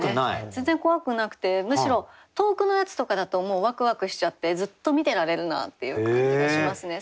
全然怖くなくてむしろ遠くのやつとかだともうわくわくしちゃってずっと見てられるなっていう感じがしますね。